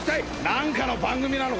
何かの番組なのか？